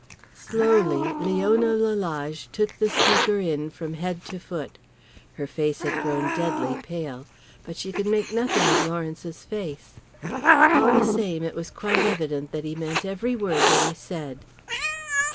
Slowly Leona Lalage took the speaker in from head to foot. Her face had grown deadly pale. But she could make nothing of Lawrence's face. All the same, it was quite evident that he meant every word that he said.